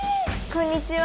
こんにちは。